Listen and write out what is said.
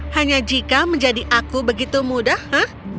hanya jika menjadi aku begitu mudah ha